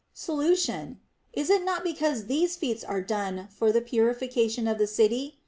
Solution. Is it not because these feats are done for the purification of the city